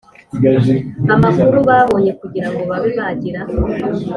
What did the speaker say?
amakuru babonye kugira ngo babe bagira